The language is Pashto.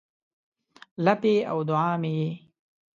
لپې او دوعا مې یې